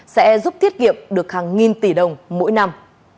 sẽ giúp tiết kiệm được hàng nghìn tỷ đồng mỗi năm